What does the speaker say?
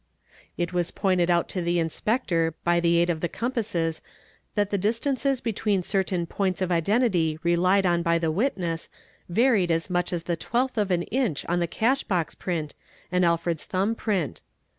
It was pointed out to the Inspector by the aid of the compasses that the distances between certain points of identity relied on by the witness varied as much as the twelfth of an inch on the cash box print and Alfred's thumb print.